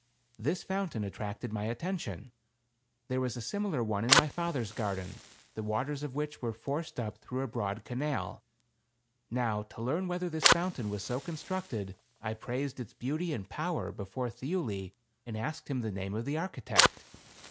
This fountain attracted my attention. There was a fimilar one in my father's garden, the waters of which were forced up through a broad canal. Now to learn whether this fount ain was so constructed, I praised its beauty and power before Thiuli and asked him the name of the architect.